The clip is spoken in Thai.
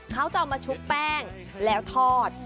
เขาจะเอามาชุบแป้งแล้วทอด